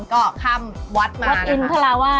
ก็คำวัดมาวัดอินภาราวะ